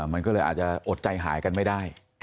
มันก็เลยอาจจะอดใจหายกันไม่ได้